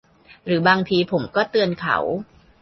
หรือบางทีผมก็เตือนเขา